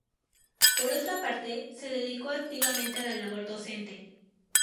Por otra parte, se dedicó activamente a la labor docente.